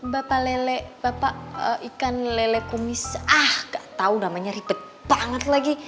bapak lele bapak ikan lele kumis ah gak tau namanya ribet banget lagi